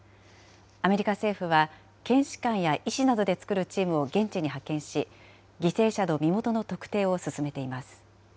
アメリカ政府は、検視官や医師などで作るチームを現地に派遣し、犠牲者の身元の特定を進めています。